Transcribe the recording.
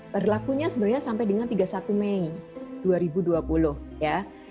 berlakunya sebenarnya sampai dengan tiga puluh satu mei dua ribu dua puluh ya